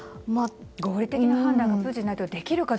合理的な判断がプーチン大統領できるか。